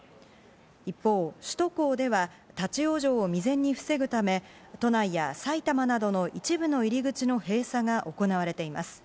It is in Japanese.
一方、首都高では立ち往生を未然に防ぐため、都内や埼玉などの一部の入り口の閉鎖が行われています。